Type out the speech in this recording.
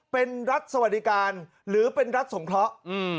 เป็นรัฐสวัสดิการหรือเป็นรัฐสงเคราะห์